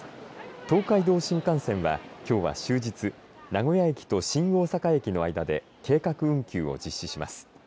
東海道新幹線はきょうは終日、名古屋駅と新大阪駅の間で計画運休を実施します。